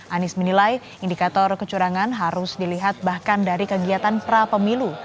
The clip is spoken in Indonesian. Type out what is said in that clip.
anies menilai indikator kecurangan harus dilihat bahkan dari kegiatan prapemilu